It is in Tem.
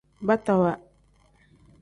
Batawa.